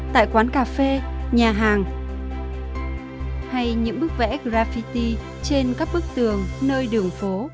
tại quán cà phê nhà hàng hay những bức vẽ graffiti trên các bức tường nơi đường phố